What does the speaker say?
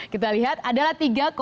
kita lihat adalah tiga empat puluh delapan